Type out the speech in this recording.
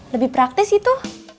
lebih praktis itu